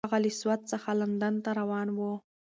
هغه له سوات څخه لندن ته روانه وه.